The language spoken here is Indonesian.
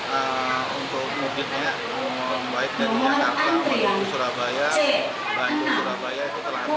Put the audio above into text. kepala stasiun mojokerto wahyudi menyatakan tiket kereta api ekonomi jurusan surabaya jakarta dan surabaya bandung